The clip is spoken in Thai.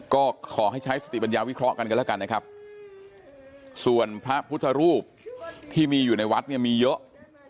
ก็ขอให้ใช้สติปัญญาวิเคราะห์กันกันแล้วกันนะครับส่วนพระพุทธรูปที่มีอยู่ในวัดเนี่ยมีเยอะ